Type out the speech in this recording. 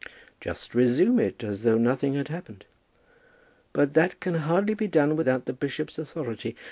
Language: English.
"Just resume it, as though nothing had happened." "But that may hardly be done without the bishop's authority.